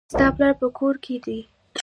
ستا پلار په کور کښي دئ.